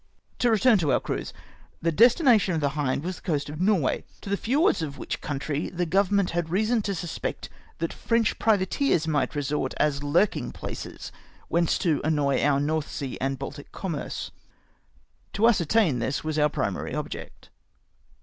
To return to our cruise. The destination of the Hind was the coast of Norway, to the, fiords of wliich country the Government had reason to suspect that French pri vateers might resort, as hu king places whence to annoy our North Sea and Baltic commerce. To ascertam tliis was our primary object.